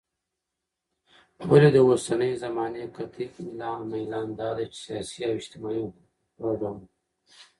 ولي داوسنۍ زماني قطعي ميلان دادى چې سياسي او اجتماعي حقوق په پوره ډول